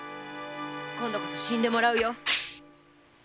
今度こそ死んでもらうよ！